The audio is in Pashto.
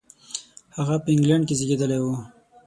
هغه په انګلېنډ کې زېږېدلی و.